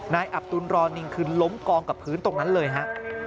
อับตุลรอนิงคือล้มกองกับพื้นตรงนั้นเลยฮะ